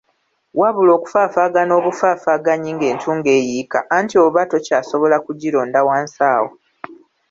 Wabula okufaafaagana obufaafaaganyi ng'entungo eyiika anti oba tokyasobola kugironda wansi awo.